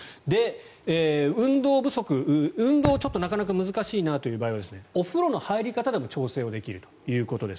運動不足、運動はなかなか難しいなという場合はお風呂の入り方でも調整はできるということです。